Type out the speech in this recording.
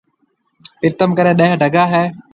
پرتم ڪني ڏيه ڊگا هيَ۔